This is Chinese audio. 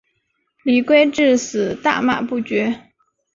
李圭至死大骂不绝。